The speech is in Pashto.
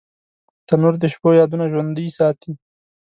تنور د شپو یادونه ژوندۍ ساتي